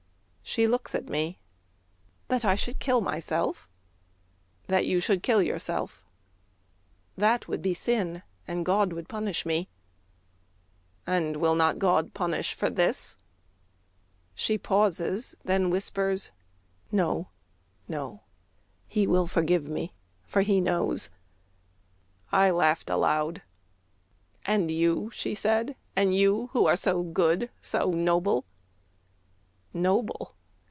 She looks at me. "That I should kill myself?"— "That you should kill yourself."—"That would be sin, And God would punish me!"—"And will not God Punish for this?" She pauses: then whispers: "No, no, He will forgive me, for He knows!" I laughed aloud: "And you," she said, "and you, Who are so good, so noble" ... "Noble?